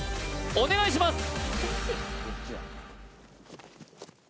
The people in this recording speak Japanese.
お願いします